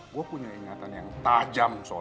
gua punya ingatan yang tajam soal duit